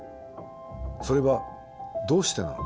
それはどうしてなのか？